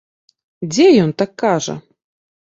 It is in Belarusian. Дзе ён так кажа?